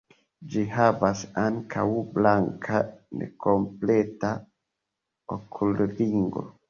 Ĝi havas ankaŭ blanka nekompleta okulringo.